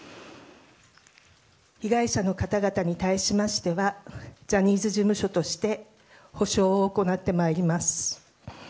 被害者の方々に対しましてはジャニーズ事務所として保証を行ってまいります。